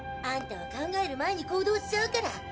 あんたは考える前に行動しちゃうから。